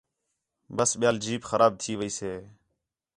ٻس ٻِیال جیپ خراب تھی وَیسے